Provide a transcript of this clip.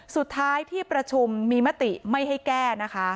สุดท้ายที่ประชุมมีมติไม่ให้แก้นะคะ